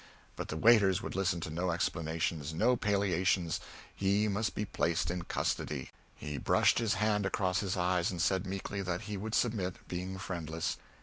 But the waiters would listen to no explanations, no palliations; he must be placed in custody. He brushed his hand across his eyes and said meekly that he would submit, being friendless.